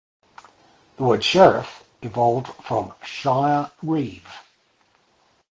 The word Sheriff evolved from 'shire-reeve'.